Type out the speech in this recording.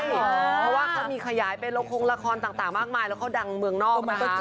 เพราะว่าเขามีขยายไปละครงละครต่างมากมายแล้วเขาดังเมืองนอก